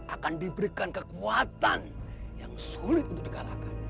akan diberikan kekuatan yang sulit untuk dikalahkan